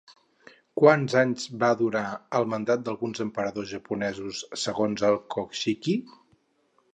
Quants anys va durar el mandat d'alguns emperadors japonesos, segons el Kojiki?